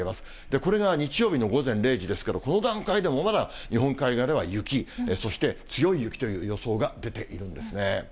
これが日曜日の午前０時ですけど、この段階でもまだ日本海側では雪、そして強い雪という予想が出ているんですね。